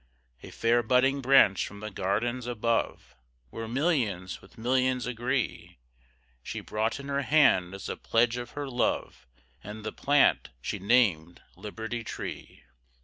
A fair budding branch from the gardens above, Where millions with millions agree, She brought in her hand as a pledge of her love, And the plant she named Liberty Tree.